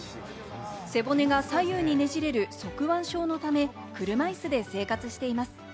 背骨が左右にねじれる側弯症のため、車いすで生活しています。